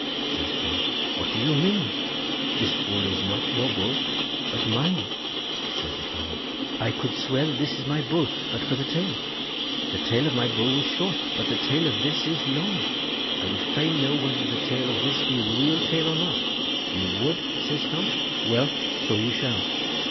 Says Tom, 'What do you mean? This bull is not your bull, but mine.' Says the farmer, 'I could swear that this is my bull but for the tail. The tail of my bull was short, but the tail of this is long. I would fain know whether the tail of this be real tail or not.' 'You would?' says Tom; 'well, so you shall.